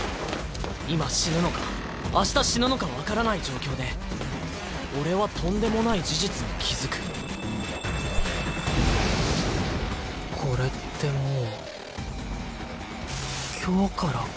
今死ぬのか明日死ぬのか分からない状況で俺はとんでもない事実に気付くこれってもうや。